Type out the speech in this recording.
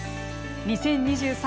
２０２３